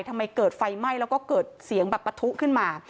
ทำไมเกิดไฟไหม้แล้วก็เกิดเสียงแบบปะทุขึ้นมา